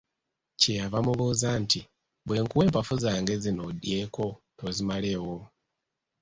Kyeyava amubuuza nti, "Bwenkuwa empafu zange zino olyeko tozimalewo?"